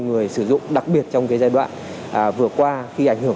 người sử dụng đặc biệt trong cái giai đoạn vừa qua khi ảnh hưởng